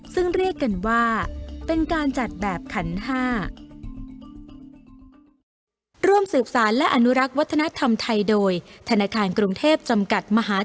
ซึ่งเรียกกันว่าเป็นการจัดแบบขันห้า